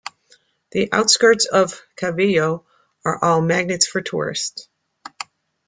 The outskirts of Calvillo are a magnet for tourists.